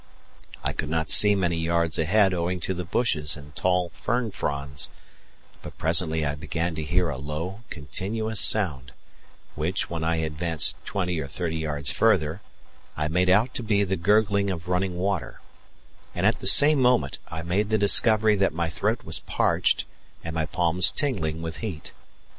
I could not see many yards ahead owing to the bushes and tall fern fronds; but presently I began to hear a low, continuous sound, which, when I had advanced twenty or thirty yards further, I made out to be the gurgling of running water; and at the same moment I made the discovery that my throat was parched and my palms tingling with heat.